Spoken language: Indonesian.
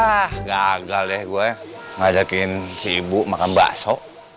nah gagal deh gue ngajakin si ibu makan bakso